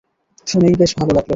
শুনেই বেশ ভালো লাগল।